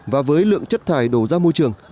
và với lượng chất thải đổ ra môi trường